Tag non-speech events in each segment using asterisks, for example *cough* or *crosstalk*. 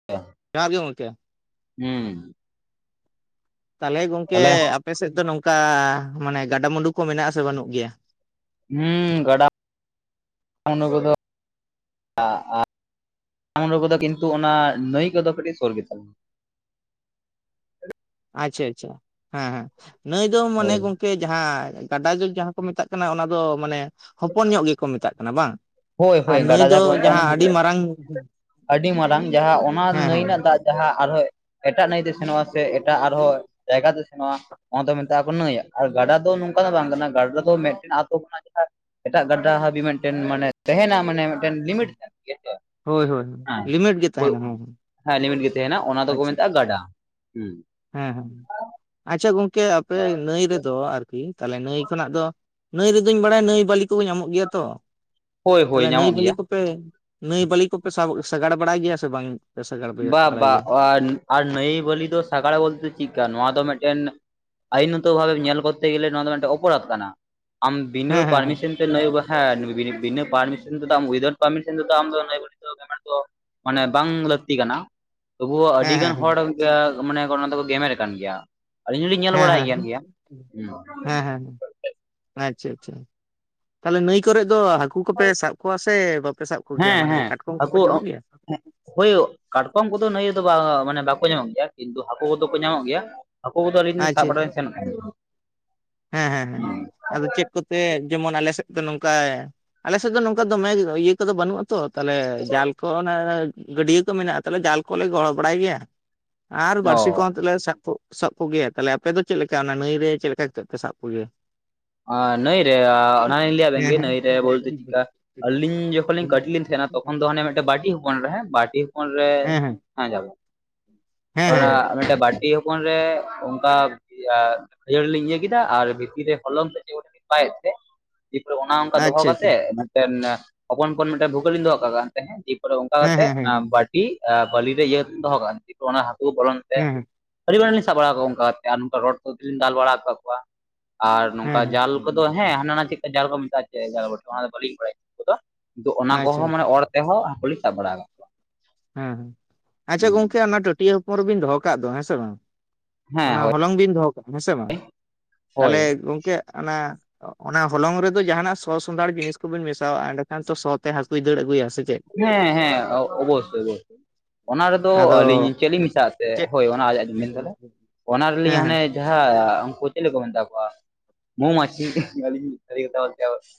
*inaudible* ᱡᱚᱦᱟᱨ ᱜᱮ ᱜᱚᱝᱠᱮ᱾ ᱦᱩᱸ᱾ ᱛᱟᱦᱚᱞᱮ ᱜᱚᱝᱠᱮ ᱛᱟᱦᱞᱮ ᱟᱯᱮ ᱥᱮᱫ ᱫᱚ ᱱᱚᱝᱠᱟ ᱢᱟᱱᱮ ᱜᱟᱰᱟ ᱢᱩᱰᱩ ᱠᱚ ᱢᱮᱱᱟᱜ ᱟᱥᱮ ᱵᱟᱹᱱᱩᱜ ᱜᱮᱭᱟ? ᱦᱩᱸ ᱜᱟᱰᱟ ᱢᱩᱸᱰᱩ ᱠᱚᱫᱚ *inaudible* ᱟ ᱵᱟᱰᱟ ᱢᱩᱰᱩ ᱠᱤᱱᱛᱩ ᱚᱱᱟ ᱱᱟᱹᱭ ᱠᱚᱫᱚ ᱠᱟᱹᱴᱤᱡ ᱥᱳᱩᱨ ᱜᱮᱛᱟᱞᱮᱭᱟ᱾ ᱟᱪᱷᱟ ᱟᱪᱷᱟ ᱦᱮᱸ ᱦᱮᱸ ᱱᱟᱹᱭ ᱫᱚ ᱢᱚᱱᱮ ᱦᱳᱭ ᱜᱚᱝ ᱠᱮ ᱡᱟᱦᱟᱸ ᱜᱟᱰᱟ ᱡᱚᱜᱽ ᱡᱟᱦᱟᱸ ᱠᱚ ᱢᱮᱛᱟᱜ ᱠᱟᱱᱟ ᱚᱱᱟ ᱫᱚ ᱢᱟᱱᱮ ᱦᱚᱯᱚᱱ ᱧᱚᱜ ᱜᱮᱠᱚ ᱢᱮᱛᱟᱜ ᱠᱟᱱᱟ ᱵᱟᱝ? ᱦᱳᱭ ᱦᱳᱭ ᱟᱨ ᱱᱟᱹᱭ ᱜᱟᱰᱟ ᱫᱚ ᱡᱟᱦᱟᱸ ᱠᱚ ᱢᱮᱛᱟ ᱟᱹᱰᱤ ᱢᱟᱨᱟᱝ *inaudible* ᱟᱹᱰᱤ ᱢᱟᱨᱟᱝ ᱡᱟᱦᱟᱸ ᱚᱱᱟ ᱦᱮᱸ ᱱᱟᱹᱭ ᱦᱮᱸ ᱨᱮᱱᱟᱜ ᱫᱟᱜ ᱡᱟᱦᱟᱸ ᱟᱨᱦᱚᱸ ᱮᱴᱟᱜ ᱱᱟᱹᱭ ᱛᱮ ᱥᱮᱱᱚᱜᱼᱟ ᱥᱮ ᱮᱴᱟᱜ ᱟᱨᱦᱚᱸ ᱡᱟᱭᱜᱟ ᱛᱮ ᱥᱮᱱᱚᱜᱼᱟ, ᱚᱱᱟ ᱢᱮᱛᱟᱜ ᱟᱠᱚ ᱱᱟᱹᱭ ᱟᱨ ᱜᱟᱰᱟ ᱫᱚ ᱱᱚᱝᱠᱟ ᱫᱚ ᱵᱟᱝ ᱠᱟᱱᱟ ᱜᱟᱰᱟ ᱫᱚ ᱢᱤᱫᱴᱮᱱ ᱟᱛᱳ ᱠᱷᱚᱱᱟᱜ ᱡᱟᱦᱟᱸ ᱮᱴᱟᱜ ᱜᱟᱰᱟ ᱦᱟᱹᱵᱤ ᱢᱤᱫᱴᱮᱱ ᱢᱟᱱᱮ ᱛᱟᱦᱮᱸᱱᱟ ᱢᱟᱱᱮ ᱢᱤᱫᱴᱮᱱ ᱞᱤᱢᱤᱴ ᱦᱮᱸ ᱦᱳᱭ ᱦᱳᱭ ᱞᱤᱢᱤᱴ ᱜᱮ ᱛᱟᱦᱮᱸᱱᱟ ᱦᱚᱸ᱾ ᱦᱮᱸ ᱞᱤᱢᱤᱴ ᱜᱮ ᱛᱟᱦᱮᱸᱱᱟ ᱚᱱᱟ ᱫᱚᱠᱚ ᱢᱮᱛᱟᱜᱼᱟ ᱜᱟᱰᱟ ᱦᱩᱸ᱾ ᱦᱮᱸ ᱦᱮᱸ ᱟᱪᱷᱟ ᱜᱚᱝᱠᱮ ᱟᱯᱮ ᱱᱟᱹᱭ ᱨᱮᱫᱚ ᱟᱨᱠᱤ ᱛᱟᱦᱚᱞᱮ ᱱᱟᱹᱭ ᱠᱷᱚᱱᱟᱜ ᱫᱚ ᱱᱟᱹᱭ ᱨᱮᱫᱚᱧ ᱵᱟᱲᱟᱭᱟ ᱱᱟᱹᱭ ᱵᱟᱹᱞᱤ ᱠᱚ ᱧᱟᱢᱚᱜ ᱜᱮᱭᱟ ᱛᱚ, ᱦᱳᱭ ᱦᱳᱭ ᱛᱟᱦᱞᱮ ᱱᱟᱹᱭ ᱧᱟᱢᱚᱜ ᱜᱮᱭᱟ ᱵᱟᱹᱞᱤ ᱠᱚᱯᱮ ᱱᱟᱹᱭ ᱵᱟᱹᱞᱤ ᱠᱚᱯᱮ ᱥᱟᱵ ᱥᱟᱜᱟᱲ ᱵᱟᱲᱟᱭ ᱜᱮᱭᱟ ᱥᱮ ᱵᱟᱝ? ᱥᱟᱜᱟᱲ ᱵᱟ ᱵᱟᱲᱟᱭ ᱵᱟ ᱜᱮᱭᱟ? ᱟᱨ ᱱᱟᱹᱭ ᱵᱟᱹᱞᱤ ᱫᱚ ᱥᱟᱜᱟᱲ ᱵᱚᱞᱛᱮ ᱪᱮᱜᱠᱟ ᱱᱚᱣᱟ ᱫᱚ ᱢᱤᱫᱴᱮᱱ ᱟᱭᱤᱱᱚᱛᱚ ᱵᱷᱟᱵᱮᱢ ᱧᱮᱞ ᱠᱚᱨᱛᱮ ᱜᱮᱞᱮ ᱱᱚᱣᱟ ᱫᱚ ᱢᱤᱫᱴᱮᱱ ᱚᱯᱚᱨᱟᱫ ᱠᱟᱱᱟ ᱟᱢ ᱵᱤᱱᱟᱹ ᱦᱮᱸ ᱦᱮᱸ ᱯᱟᱨᱢᱤᱥᱮᱱ ᱛᱮ ᱱᱟᱹᱭ ᱵᱟᱦᱮ ᱵᱤᱵᱤᱱᱮ ᱵᱤᱱᱟᱹ ᱯᱟᱨᱢᱤᱥᱮᱱ ᱛᱮᱫᱚ ᱟᱢ ᱩᱭᱤᱫᱟᱣᱩᱴ ᱯᱟᱨᱢᱤᱥᱮᱱ ᱛᱮᱫᱚ ᱟᱢᱫᱚ ᱱᱟᱹᱭ ᱵᱟᱹᱞᱤ ᱜᱮᱢᱮᱨ ᱫᱚ ᱢᱟᱱᱮ ᱵᱟᱝ ᱞᱟᱹᱜ ᱛᱤ ᱠᱟᱱᱟ ᱛᱚᱵᱩ ᱦᱮᱸ ᱟᱹᱰᱤ ᱦᱮᱸ ᱜᱟᱱ ᱦᱚᱲ ᱜᱮ ᱢᱟᱱᱮ ᱚᱱᱟ ᱫᱚᱠᱚ ᱜᱮᱢᱮᱨ ᱠᱟᱱ ᱜᱮᱭᱟ᱾ ᱟᱹᱞᱤᱧ ᱦᱚᱸᱞᱤᱧ ᱧᱮᱞ ᱦᱮᱸ ᱵᱟᱲᱟᱭᱮᱜ ᱠᱟᱱ ᱦᱮᱸ ᱜᱮᱭᱟ ᱦᱩᱸ᱾ ᱦᱮᱸ ᱦᱮᱸ ᱟᱪᱪᱷᱟ ᱪᱷᱟ ᱛᱟᱦᱞᱮ ᱱᱟᱹᱭ ᱠᱚᱨᱮ ᱫᱚ ᱦᱟᱹᱠᱩ ᱠᱚᱯᱮ ᱥᱟᱵ ᱠᱚᱣᱟ ᱥᱮ ᱵᱟᱯᱮ ᱥᱟᱵ ᱠᱚᱜᱮᱭᱟ ᱢᱟᱱᱮ ᱠᱟᱴᱠᱚᱢ ᱠᱚᱠᱚ ᱧᱟᱢᱚᱜ ᱜᱮᱭᱟ? ᱦᱳᱭᱚᱜ ᱠᱟᱴᱠᱚᱢ ᱠᱚᱫᱚ ᱱᱟᱹᱭ ᱨᱮᱫᱚ ᱵᱟ ᱢᱟᱱᱮ ᱵᱟᱠᱚ ᱧᱟᱢᱚᱜ ᱜᱮᱭᱟ ᱠᱤᱱᱛᱩ ᱦᱟᱹᱠᱩ ᱠᱚᱫᱚ ᱠᱚ ᱧᱟᱢᱚᱜ ᱜᱮᱭᱟ᱾ ᱦᱟᱹᱠᱩ ᱠᱚᱫᱚ ᱟᱹᱞᱤᱧ ᱥᱟᱵ ᱟᱪᱪᱷᱟ ᱵᱟᱲ ᱞᱤᱧ ᱥᱮᱱ ᱠᱟᱱᱟ᱾ ᱦᱮᱸ ᱦᱮᱸ ᱦᱮᱸ᱾ ᱟᱫᱚ ᱪᱮᱫ ᱠᱚᱛᱮ ᱡᱮᱢᱚᱱ ᱟᱞᱮ ᱥᱮᱫ ᱫᱚ ᱱᱚᱝᱠᱟ ᱟᱞᱮ ᱥᱮᱫ ᱫᱚ ᱱᱚᱝᱠᱟ ᱫᱚᱢᱮ ᱤᱭᱟᱹ ᱠᱚᱫᱚ ᱵᱟᱹᱱᱩᱜᱼᱟ ᱛᱚ ᱛᱟᱦᱞᱮ ᱡᱟᱞ ᱠᱚ ᱚᱱᱮ ᱜᱟᱹᱰᱭᱟᱹ ᱠᱚ ᱢᱮᱱᱟᱜᱼᱟ ᱛᱟᱠᱮ ᱡᱟᱞ ᱠᱚᱞᱮ ᱜᱚᱲᱚ ᱵᱟᱲᱟᱭ ᱜᱮᱭᱟ ᱟᱨ ᱚ ᱵᱟᱹᱲᱥᱤ ᱠᱚᱦᱚᱸ ᱛᱮᱞᱮ ᱥᱟᱵ ᱠᱚ ᱥᱟᱵ ᱠᱚᱜᱮᱭᱟ ᱛᱟᱦᱞᱮ ᱟᱯᱮ ᱫᱚ ᱪᱮᱫᱽ ᱞᱮᱠᱟ ᱚᱱᱟ ᱱᱟᱹᱭ ᱨᱮ ᱪᱮᱫ ᱞᱮᱠᱟ ᱯᱮ ᱥᱟᱵ ᱠᱚᱜᱮᱭᱟ? ᱟ ᱱᱟᱹᱭ ᱨᱮ ᱟ ᱚᱱᱟ ᱦᱚᱸᱧ ᱞᱟᱹᱭ ᱟᱵᱮᱱ ᱦᱮᱸ ᱜᱮ ᱦᱮᱸ ᱱᱟᱹᱭ ᱨᱮ ᱵᱚᱞᱛᱮ ᱪᱮᱫᱠᱟ ᱟᱹᱞᱤᱧ ᱡᱚᱠᱷᱚᱱ ᱞᱤᱧ ᱠᱟᱹᱴᱤᱡ ᱞᱤᱧ ᱛᱟᱦᱮᱸᱱᱟ ᱛᱚᱠᱷᱚᱱ ᱫᱚ ᱦᱟᱱᱮ ᱢᱤᱫᱴᱮᱡ ᱵᱟᱹᱴᱤ ᱦᱚᱯᱚᱱ ᱨᱮ ᱵᱟᱹᱴᱤ ᱦᱚᱯᱚᱱ ᱨᱮ ᱦᱮᱸ ᱦᱮᱸ ᱦᱟᱸ ᱡᱟᱵᱮ ᱦᱮᱸ ᱚᱱᱟ ᱦᱮᱸ ᱟ ᱢᱤᱫᱴᱮᱱ ᱵᱟᱹᱴᱤ ᱦᱚᱯᱚᱱ ᱨᱮ ᱚᱱᱠᱟ ᱠᱷᱭᱟᱹᱲᱤ ᱞᱤᱧ ᱤᱭᱟᱹ ᱠᱮᱫᱟ ᱟᱨ ᱵᱷᱤᱛᱤᱨ ᱨᱮ ᱦᱚᱞᱚᱝ *unintelligible* ᱵᱟᱭᱮᱫ ᱛᱮ ᱫᱤᱭᱮ ᱯᱚᱨᱮ ᱚᱱᱟ ᱚᱱᱠᱟ ᱫᱚᱦᱚ ᱟᱪᱪᱷᱟ ᱟᱪᱪᱷᱟ ᱠᱟᱛᱮᱜᱽ ᱴᱮᱱᱱᱟ ᱦᱚᱯᱚᱱ ᱦᱚᱯᱚᱱ ᱢᱤᱫᱴᱮᱱ ᱵᱷᱩᱜᱟᱹᱞᱤᱧ ᱫᱚᱦᱚ ᱠᱟᱜ-ᱟ ᱦᱮᱸ ᱛᱟᱯᱚᱨᱮ ᱚᱱᱠᱟ ᱦᱮᱸ ᱠᱟᱛᱮ ᱦᱮᱸ ᱚᱱᱟ ᱦᱮᱸ ᱵᱟᱹ ᱴᱤ ᱟ ᱵᱟᱹᱞᱤ ᱨᱮ ᱤᱭᱟᱹ ᱠᱟᱛᱮ ᱫᱚᱦᱚ ᱠᱟᱜ-ᱟ ᱚᱱᱟ ᱦᱟᱹᱠᱩ ᱵᱚᱞᱚᱱ ᱛᱮ ᱦᱮᱸ ᱦᱮᱸ᱾ ᱟᱹᱰᱤ ᱵᱟᱨ ᱞᱤᱧ ᱥᱟᱵ ᱵᱟᱲᱟ ᱠᱟᱜ ᱠᱚᱣᱟ ᱚᱱᱠᱟᱛᱮ ᱟᱨ ᱱᱚᱝᱠᱟ ᱨᱚᱲ ᱠᱚᱛᱮ ᱞᱤᱧ ᱫᱟᱞ ᱵᱟᱲᱟ ᱠᱟᱫ ᱠᱚᱣᱟ᱾ ᱟᱨ ᱦᱮᱸ ᱦᱮᱸ ᱱᱚᱝᱠᱟ ᱦᱮᱸ ᱡᱟᱞ ᱠᱚᱫᱚ ᱦᱮᱸ ᱦᱟᱱᱟ ᱱᱟ ᱪᱮᱜᱽᱠᱟ ᱡᱟᱞ ᱠᱚ ᱢᱮᱛᱟᱜᱼᱟ ᱪᱮ ᱡᱟᱞ ᱵᱚᱴᱷᱮ ᱚᱱᱟ ᱫᱚ ᱵᱟᱹᱞᱤᱧ ᱵᱟᱲᱟᱭᱟ *unintelligible* ᱠᱚᱫᱚ᱾ ᱛᱚ ᱚᱱᱟ ᱟᱪᱪᱷᱟ ᱠᱚᱦᱚᱸ ᱢᱟᱱᱮ ᱚᱨ ᱛᱮᱦᱚᱸ ᱦᱟᱹᱠᱩ ᱞᱤᱧ ᱥᱟᱵ ᱵᱟᱲᱟ ᱠᱟᱜ᱾ ᱦᱮᱸ ᱦᱮᱸ ᱟᱪᱷᱟ ᱜᱚᱝᱠᱮ ᱚᱱᱟ ᱴᱟᱹᱴᱭᱟᱹ ᱦᱚᱯᱚᱱ ᱨᱮᱵᱤᱱ ᱫᱚᱦᱚ ᱠᱟᱜ ᱫᱚ ᱦᱮᱸ ᱥᱮ ᱵᱟᱝ ᱾ ᱦᱮᱸ ᱚᱱᱟ ᱦᱳᱭ ᱦᱚᱞᱚᱝ ᱵᱤᱱ ᱫᱚᱦᱚ ᱠᱟᱜᱼᱟ ᱦᱮᱸᱥᱮ ᱵᱟᱝ ᱦᱳᱭ ᱛᱟᱦᱞᱮ ᱜᱚᱝᱠᱮ ᱚᱱᱟ ᱚᱱᱟ ᱦᱚᱞᱚᱝ ᱨᱮᱫᱚ ᱡᱟᱦᱟᱱᱟᱜ ᱥᱚ ᱥᱚᱱᱫᱷᱟᱲ ᱡᱤᱱᱤᱥ ᱠᱚᱵᱚᱱ ᱢᱮᱥᱟᱣᱟᱜ ᱮᱸᱰᱮᱠᱷᱟᱱ ᱛᱚ ᱥᱚ ᱛᱮ ᱦᱟᱹᱠᱩᱭ ᱫᱟᱹᱲ ᱟᱹᱜᱩᱭᱟ᱾ ᱪᱮᱫ? ᱦᱮᱸ ᱦᱮᱸ ᱚᱵᱚᱥᱭ ᱚᱵᱚᱥᱭ᱾ ᱚᱱᱟ ᱨᱮᱫᱚ ᱟᱫᱚ ᱟᱹᱞᱤᱧ ᱪᱮᱫ ᱞᱤᱧ ᱢᱮᱥᱟᱜ ᱟᱥᱮ ᱪᱮᱫ ᱦᱳᱭ ᱚᱱᱟ ᱟᱡ ᱞᱤᱧ ᱢᱮᱱ ᱫᱟ ᱦᱮᱸ ᱚᱱᱟ ᱨᱮᱞᱤᱧ ᱦᱮᱸ ᱦᱟᱱᱮ ᱡᱟᱦᱟᱸ ᱟᱪᱪᱷᱟ ᱩᱱᱠᱩ ᱪᱮᱫ ᱠᱚ ᱢᱮᱛᱟ ᱠᱚᱣᱟ ᱢᱳ ᱢᱟᱹᱪᱷᱤ *unintelligible*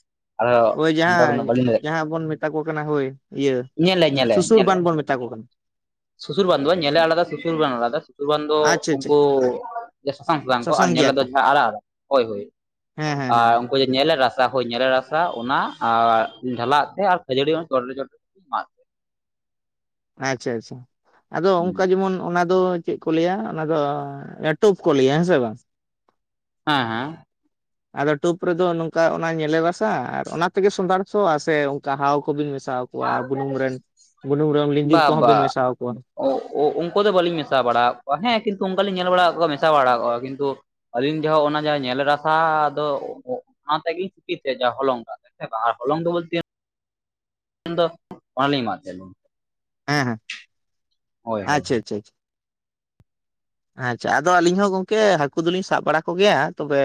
ᱦᱳᱭ ᱡᱟᱦᱟᱸ ᱡᱟᱦᱟᱸ ᱵᱚᱱ ᱢᱮᱛᱟ ᱠᱚ ᱠᱟᱱᱟ ᱦᱳᱭ᱾ ᱤᱭᱟᱹ ᱤᱧᱮᱞᱮ, ᱧᱮᱞᱮ, ᱥᱩᱥᱩᱨ ᱧᱮᱞᱮ᱾ ᱵᱟᱱ ᱵᱚᱱ ᱢᱮᱛᱟ ᱠᱚ ᱠᱟᱱᱟ ᱥᱩᱥᱩᱨ ᱵᱟᱸᱱᱫᱩ ᱵᱟᱝ ᱧᱮᱞᱮ ᱟᱞᱟᱫᱟ ᱥᱩᱥᱩᱨ ᱵᱟᱝ ᱟᱞᱟᱫᱟ ᱥᱩᱥᱩᱨ ᱵᱟᱸᱱᱫᱩ ᱟᱪᱪᱷᱟ ᱟᱪᱪᱷᱟ ᱩᱱᱠᱩ ᱥᱟᱥᱟᱝ ᱥᱟᱥᱟᱝ ᱠᱚ ᱟᱨ ᱧᱮᱞ ᱜᱮᱭᱟ ᱫᱚ ᱠᱚ ᱡᱟᱦᱟᱸ ᱟᱲᱟᱜᱼᱟᱜ ᱦᱳᱭ ᱦᱳᱭ ᱦᱮᱸ ᱦᱮᱸ ᱦᱮᱸ ᱟᱨ ᱩᱱᱠᱩ ᱧᱮᱞ ᱨᱟᱥᱟ ᱦᱳᱭ ᱧᱮᱞᱮ ᱨᱟᱥᱟ ᱚᱱᱟ ᱟᱨ ᱰᱷᱟᱞᱟᱜ ᱛᱮ ᱟᱨ ᱠᱷᱟᱹᱡᱟᱹᱲᱤ ᱚᱱᱟ ᱪᱚᱴᱨᱮ ᱪᱚᱴ *inaudible* ᱟᱪᱪᱷᱟ ᱟᱪᱪᱷᱟ ᱟᱫᱚ ᱚᱱᱠᱟ ᱡᱮᱢᱚᱱ ᱚᱱᱟ ᱫᱚ ᱪᱮᱫ ᱠᱚ ᱞᱟᱹᱭᱟ ᱚᱱᱟ ᱫᱚ ᱮᱴᱩᱯ ᱠᱚ ᱞᱟᱹᱭᱟ ᱦᱮᱸ ᱥᱮ ᱵᱟᱝ? ᱦᱮᱸ ᱦᱮᱸ᱾ ᱟᱫᱚ ᱴᱩᱯ ᱨᱮᱫᱚ ᱱᱚᱝᱠᱟ ᱚᱱᱟ ᱧᱮᱞᱮ ᱵᱟᱥᱟ ᱟᱨ ᱚᱱᱟ ᱛᱮᱜᱮ ᱥᱚᱸᱫᱷᱟᱲ ᱥᱚᱜ ᱟ ᱥᱮ ᱚᱱᱠᱟ ᱦᱟᱣ ᱠᱚᱵᱤᱱ ᱢᱮᱥᱟᱠᱚ ᱠᱚᱣᱟ ᱵᱩᱱᱩᱢ ᱨᱮᱱ ᱵᱩᱱᱩᱢ ᱨᱮᱱ ᱞᱤᱡᱤᱨ ᱠᱚᱦᱚᱸ ᱵᱮᱱ ᱢᱮᱥᱟ ᱠᱚᱣᱟ᱾ ᱚ ᱩᱱᱠᱩ ᱫᱚ ᱵᱟᱟᱹᱞᱤᱧ ᱢᱮᱥᱟ ᱵᱟᱲᱟᱫ ᱠᱚᱣᱟ ᱦᱮᱸ ᱠᱤᱱᱛᱩ ᱚᱱᱠᱟᱞᱤᱤᱧ ᱧᱮᱞ ᱵᱟᱲᱟᱫ ᱠᱚᱣᱟ ᱢᱮᱥᱟ ᱵᱟᱲᱟ ᱠᱚᱟᱜᱣᱟ ᱠᱤᱱᱛᱩ ᱟᱹᱞᱤᱧ ᱡᱚᱦᱚᱜ ᱚᱱᱟ ᱡᱟᱦᱟᱸ ᱧᱮᱞ ᱨᱟᱥᱟ ᱟᱫᱚ ᱦ ᱛᱮᱜᱮ ᱪᱩᱯᱤ ᱛᱮ ᱡᱟ ᱦᱚᱞᱚᱝᱠᱟ ᱟᱨ ᱦᱞᱚᱝ ᱵᱚᱞᱛᱮ ᱫᱚ ᱵᱟᱝᱞᱮ ᱮᱟᱜ ᱛᱟᱦᱮ᱾ ᱦᱮᱸ ᱦᱮᱸ, ᱦᱳᱭ ᱦᱳᱭ ᱟᱪᱪᱷᱟ ᱟᱪᱪᱷᱟ ᱟᱪᱪᱷᱟ᱾ *inaudible* ᱟᱪᱪᱷᱟ ᱟᱫᱚ ᱟᱹᱞᱤᱧ ᱦᱚᱸ ᱜᱚᱝᱠᱮ ᱦᱟᱹᱠᱩ ᱫᱚᱞᱤᱧ ᱥᱟᱵ ᱵᱟᱲᱟ ᱠᱚᱜᱮᱭᱟ ᱛᱚᱵᱮ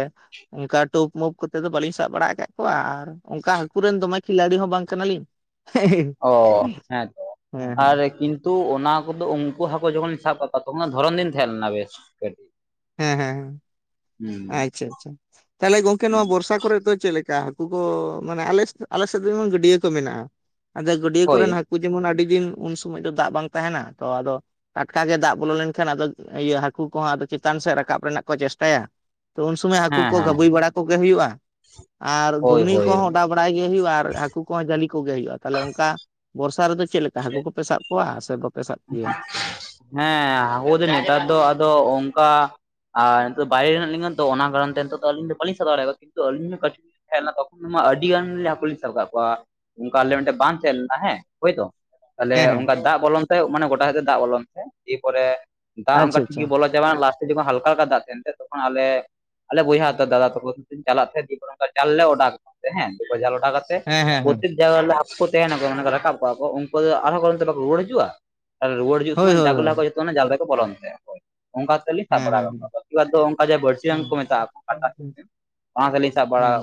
ᱚᱱᱠᱟ ᱴᱩᱯ ᱢᱩᱯ ᱠᱚ ᱠᱟᱛᱮᱫ ᱫᱚ ᱵᱟᱟᱹᱞᱤᱧ ᱥᱟᱵ ᱵᱟᱲᱟ ᱟᱠᱟᱫ ᱠᱚᱣᱟ ᱟᱨ ᱚᱱᱠᱟ ᱦᱟᱹᱠᱩᱮᱱ ᱫᱚᱢᱮ ᱠᱷᱤᱞᱟᱲᱤ ᱦᱚᱸ ᱵᱟᱝ ᱠᱟᱱᱟᱞᱤᱧ᱾ ᱦᱮᱸ ᱚ ᱦᱮᱸ ᱛᱚ ᱟᱨ ᱦᱮᱸ ᱠᱤᱱᱛᱩ ᱚᱱᱟ ᱠᱚᱫᱚ ᱩᱱᱠᱩ ᱦᱟᱹᱠᱩ ᱡᱚᱠᱷᱚᱱᱤᱧ ᱥᱟᱵ ᱠᱟᱜ ᱠᱚᱣᱟ ᱦᱟᱹᱠᱩ ᱢᱟ ᱫᱷᱚᱨᱚᱱ ᱫᱤᱱ ᱛᱟᱦᱮᱸᱮᱞᱱᱟ ᱵᱮᱥ ᱠᱟᱹᱴᱤ᱾ ᱦᱮᱸ ᱦᱮᱸ ᱦᱮᱸ ᱟᱪᱪᱷᱟ ᱟᱪᱪᱷᱟ᱾ ᱛᱟᱦᱚᱞᱮ ᱜᱚᱝᱠᱮ ᱱᱚᱣᱟ ᱵᱚᱨᱥᱟ ᱠᱚᱨᱮ ᱫᱚ ᱪᱮᱫ ᱞᱮᱠᱟ ᱦᱟᱹᱠᱩ ᱠᱚ ᱢᱟᱱᱮ ᱟᱞ ᱟᱞᱮ ᱥᱮᱫ ᱫᱚ ᱡᱚᱱ ᱜᱟᱹᱰᱭᱟᱹ ᱠᱚ ᱢᱮᱱᱟᱜᱼᱟ᱾ ᱟᱫᱚ ᱜᱟᱹᱰᱭᱟᱹ ᱦᱳᱭ ᱠᱚᱨᱮᱱ ᱦᱟᱹᱠᱩ ᱡᱮᱢᱚᱱ ᱟᱹᱰᱤ ᱫᱤᱱ ᱩᱱ ᱥᱚᱢᱚᱭ ᱫᱚ ᱫᱟᱜ ᱵᱟᱝ ᱛᱟᱦᱮᱱᱟ ᱛᱚ ᱟᱫᱚ ᱴᱟᱴᱠᱟ ᱜᱮ ᱫᱟᱜ ᱵᱚᱞᱚ ᱞᱮᱱᱠᱷᱟᱱ ᱟᱫᱚ ᱤᱭᱟᱹ ᱦᱟᱹᱠᱩ ᱠᱚᱦᱚᱸ ᱟ ᱪᱮᱛᱟᱱ ᱥᱮᱫ ᱨᱟᱠᱟᱵ ᱨᱮᱱᱟᱜ ᱠᱚ ᱪᱮᱥᱴᱟᱭᱟ᱾ ᱛᱚ ᱩᱱ ᱥᱚᱢᱚᱭ ᱦᱟᱹᱠᱩ ᱦᱮᱸ ᱠᱚ ᱦᱮᱸ ᱜᱟᱹᱵᱟᱹᱭ ᱵᱟᱲᱟ ᱠᱚᱜᱮ ᱦᱩᱭᱩᱜᱼᱟ ᱟᱨ ᱦᱳᱭ ᱜᱷᱩᱜᱽᱱᱤ ᱦᱳᱭ ᱠᱚᱦᱚᱸ ᱚᱰᱟᱣ ᱵᱟᱲᱟᱭ ᱜᱮ ᱦᱩᱭᱩᱜᱼᱟ ᱟᱨ ᱦᱟᱹᱠᱩ ᱠᱚᱦᱚᱸ ᱡᱟᱹᱞᱤ ᱠᱚᱜᱮ ᱦᱩᱭᱩᱜᱼᱟ ᱛᱟᱦᱚᱞᱮ ᱚᱱᱠᱟ ᱵᱚᱨᱥᱟ ᱨᱮᱫᱚ ᱪᱮᱫ ᱞᱮᱠᱟ ᱦᱟᱹᱠᱩ ᱠᱚᱯ ᱥᱟᱵ ᱚᱣᱟ ᱥᱮ ᱵᱟᱯᱮ ᱥᱟᱵ? ᱠᱚᱜᱮᱭᱟ? ᱦᱮᱸ ᱟᱵᱚ ᱫᱚ ᱱᱮᱛᱟᱨ ᱫᱚ ᱟᱫᱚ ᱚᱱᱠᱟ ᱟᱨ ᱱᱤᱛᱚᱜ ᱫᱚ ᱵᱟᱭᱨᱮ ᱦᱮᱱᱟᱜ ᱞᱤᱧᱟ ᱛᱚ ᱚᱱᱟ ᱠᱟᱨᱚᱱ ᱱᱤᱛ ᱫᱚ ᱟᱹᱧ ᱫᱚᱟᱹᱞᱤᱧ ᱪᱟᱣ ᱫᱟᱲᱮᱭᱟᱜᱣᱟ ᱠᱤᱱᱛᱩ ᱟᱞᱤᱧ ᱠᱟᱴᱤ ᱦᱱᱟ ᱛᱚᱠᱷᱚᱱ ᱢᱟ ᱟᱹᱰᱤ ᱜᱟᱱ ᱦᱟᱹᱠᱩ ᱞᱤᱧ ᱥᱟᱵ ᱠᱟᱜ ᱠᱚᱣᱟ᱾ ᱚᱱᱠᱟ ᱟᱞᱮ ᱢᱤᱫᱴᱮᱱ ᱵᱟᱝ ᱛᱟᱦᱮᱸ ᱞᱮᱱᱟ ᱦᱮᱸ ᱦᱳᱭᱛᱚ᱾ ᱛᱟᱦᱚᱞᱮ ᱦᱮᱸ ᱦᱮᱸ ᱚᱱᱠᱟ ᱫᱟᱜ ᱵᱚᱞᱚᱱ ᱛᱮ ᱢᱟᱱᱮ ᱜᱚᱴᱟ ᱥᱮᱫ ᱛᱮ ᱫᱟᱜ ᱵᱚᱞᱚᱱ ᱛᱮ ᱮᱨᱯᱚᱨᱮ ᱫᱟᱜ ᱚᱱᱠᱟ ᱟᱪᱪᱷᱟ ᱴᱷᱤᱠ ᱟᱪᱪᱷᱟ ᱜᱮ ᱵᱚᱞ ᱡᱮᱢᱚᱱ ᱞᱟᱥᱴ ᱡᱚᱠᱷᱚᱱ ᱦᱟᱞᱠᱟᱠᱟ ᱫᱟᱜ ᱛᱟᱦᱮᱱ ᱛᱮ ᱛᱚᱠᱷᱚᱱ ᱟᱞᱮ ᱟᱞᱮ ᱵᱚᱭᱦᱟ ᱫᱟᱫᱟ ᱛᱟᱠᱚ ᱪᱟᱞᱟᱜ ᱛᱟᱦᱮᱸ ᱫᱤ ᱡᱟᱞ ᱞᱮ ᱚᱰᱠᱟ ᱦᱮ ᱫ ᱡᱟᱞ ᱚᱰᱠᱟ ᱠᱟᱛᱮ ᱦᱮᱸ ᱦᱮᱸ ᱦᱮᱸ ᱯᱨᱚᱛᱛᱮᱠ ᱡᱟᱭᱜᱟ ᱨᱮ ᱦᱟᱠᱳ ᱠᱚ ᱛᱟᱦᱮᱱᱟᱠᱚ ᱢᱟᱱᱮ ᱨᱟᱠᱟᱵ ᱠᱚᱣᱟ ᱠᱚ ᱩᱱᱠᱩ ᱫᱚ ᱟᱨᱦᱚᱸ ᱠᱟᱨᱚᱱᱛᱮ ᱵᱟᱠᱚ ᱨᱩᱣᱟᱹᱲ ᱦᱤᱡᱩᱜᱼᱟ? ᱛᱟᱦ ᱨᱩᱣᱟᱹᱲ ᱦᱤᱡᱩᱜ ᱦᱳᱭ ᱥᱚᱢᱚᱭ ᱦᱳᱭ ᱡᱟᱜᱩᱞᱟ ᱦᱳᱭ ᱦᱟᱠᱳ ᱡᱷᱚᱛᱚ ᱚᱱᱟ ᱡᱟᱞ ᱨᱮᱠᱚ ᱵᱚᱞᱚᱱ ᱛᱟᱦᱮᱸᱜᱼᱟᱠᱚ ᱚᱱᱠᱟ ᱥᱟᱵ ᱦᱮᱸ ᱵᱟᱲᱟ ᱦᱮᱸ ᱠᱟᱜ ᱦᱮᱸ ᱠᱚᱭᱟ ᱵᱟᱹᱠᱤ ᱵᱟᱝ ᱫᱚ ᱚᱱᱠᱟ ᱡ ᱵᱟᱹᱲᱥᱤ ᱨᱟᱱ ᱠᱚ ᱢᱮᱛᱟᱜᱼᱟᱠᱟ᱾ ᱦᱮᱸ,